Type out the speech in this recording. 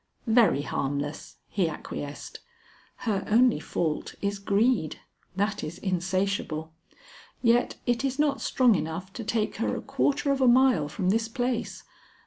"Very harmless," he acquiesced; "her only fault is greed; that is insatiable. Yet it is not strong enough to take her a quarter of a mile from this place.